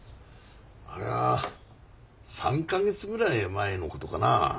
あれは３カ月ぐらい前の事かな。